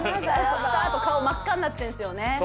したあと顔真っ赤になってるんですよね